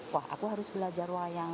wah aku harus belajar wayang